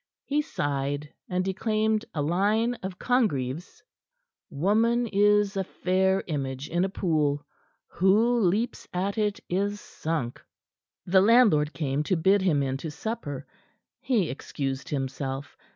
He sighed, and declaimed a line of Congreve's: "'Woman is a fair image in a pool; who leaps at it is sunk.'" The landlord came to bid him in to supper. He excused himself.